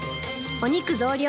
お肉増量！